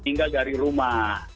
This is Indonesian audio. tinggal dari rumah